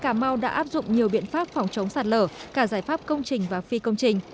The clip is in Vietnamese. cà mau đã áp dụng nhiều biện pháp phòng chống sạt lở cả giải pháp công trình và phi công trình